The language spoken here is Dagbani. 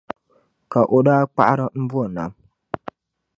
Ka o daa kpaɣiri m-bɔ nam.